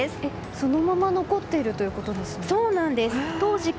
そのまま残ってるということですか？